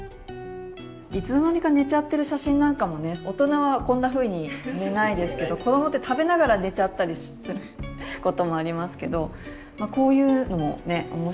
いつの間にか寝ちゃってる写真なんかもね大人はこんなふうに寝ないですけど子どもって食べながら寝ちゃったりすることもありますけどこういうのもね面白い。